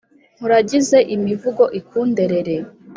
Nku ragize imivugo ikunderere